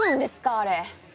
⁉あれ。